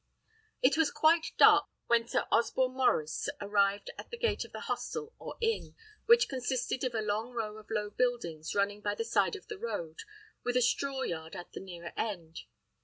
It was quite dark when Sir Osborne Maurice arrived at the gate of the hostel or inn, which consisted of a long row of low buildings, running by the side of the road, with a straw yard at the nearer end.